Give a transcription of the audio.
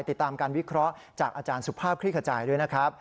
ติดตามการวิเคราะห์จากอาจารย์สุภาพคลิกขจายด้วยนะครับ